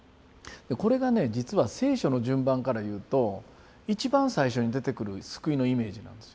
これがね実は聖書の順番からいうと一番最初に出てくる救いのイメージなんですよ。